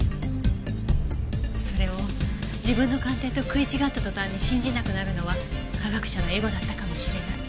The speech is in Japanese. それを自分の鑑定と食い違った途端に信じなくなるのは科学者のエゴだったかもしれない。